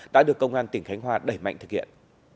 đã được công an tỉnh khánh hòa đẩy mạnh thực hiện